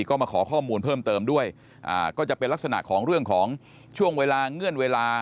ก็มาขอข้อมูลเพิ่มเติมด้วยก็จะเป็นลักษณะของเรื่องของช่วงเวลาเงื่อนเวลา